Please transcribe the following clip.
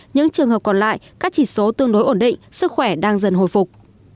những trường hợp còn lại các chỉ số tương đối ổn định sức khỏe đang dần hồi phục